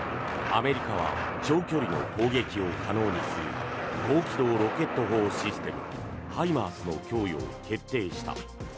アメリカは長距離の攻撃を可能にする高機動ロケット砲システムＨＩＭＡＲＳの供与を決定した。